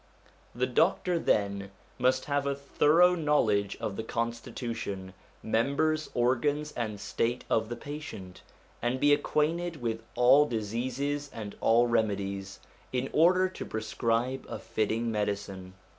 The doctor then must have a thorough knowledge of the constitution, members, organs, and state of the patient, and be acquainted with all dis eases and all remedies, in order to prescribe a fitting medicine.